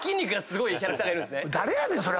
誰やねんそれ！